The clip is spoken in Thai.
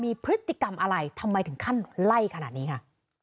มีพฤติกรรมอะไรทำไมถึงขั้นไล่ขนาดนี้ค่ะ